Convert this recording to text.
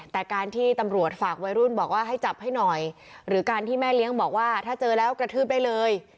แต่การที่ตำรวจฝากวัยรุ่นบอกว่าให้จับให้หน่อยหรือการที่แม่เลี้ยงบอกว่าถ้าเจอแล้วกระทืบได้เลย